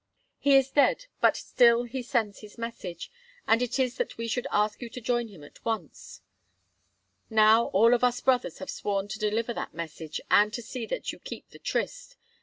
"He is dead, but still he sends his message, and it is that we should ask you to join him at once. Now, all of us brothers have sworn to deliver that message, and to see that you keep the tryst.